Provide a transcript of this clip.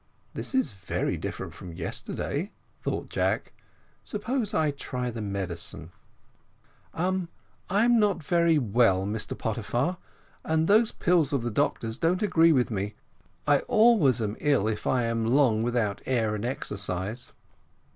"This is very different from yesterday," thought Jack; "suppose I try the medicine?" "I am not very well, Mr Pottyfar, and those pills of the doctor's don't agree with me I always am ill if I am long without air and exercise."